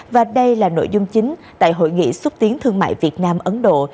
và đây là nội dung chính tại hội nghị xúc tiến thương mại việt nam ấn độ